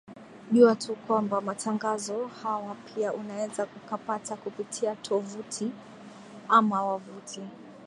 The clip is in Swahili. jua tu kwamba matangazo hawa pia unaweza ukapata kupitia tovuti ama wavuti